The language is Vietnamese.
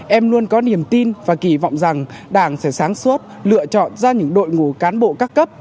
em luôn có niềm tin và kỳ vọng rằng đảng sẽ sáng suốt lựa chọn ra những đội ngũ cán bộ các cấp